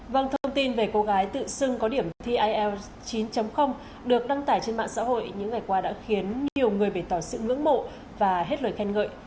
vâng thông tin về cô gái tự xưng có điểm thi ielts chín được đăng tải trên mạng xã hội những ngày qua đã khiến nhiều người bày tỏ sự ngưỡng mộ và hết lời khen ngợi